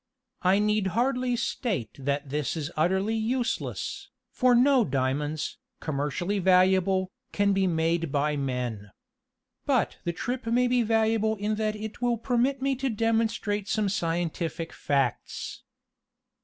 I need hardly state that this is utterly useless, for no diamonds, commercially valuable, can be made by men. But the trip may be valuable in that it will permit me to demonstrate some scientific facts.